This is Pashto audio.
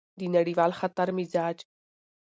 د نړیوال خطر مزاج: